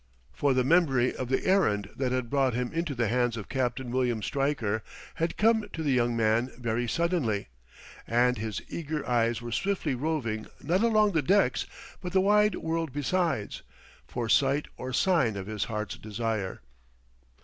For the memory of the errand that had brought him into the hands of Captain William Stryker had come to the young man very suddenly; and his eager eyes were swiftly roving not along the decks but the wide world besides, for sight or sign of his heart's desire.